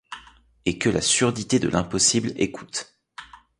Et que la surdité de l’impossible écoute